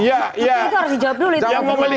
itu harus dijawab dulu